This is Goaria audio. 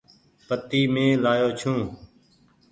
پيتي مين لآيو ڇون۔